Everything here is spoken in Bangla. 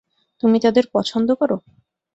তুমি তাদের পছন্দ করো?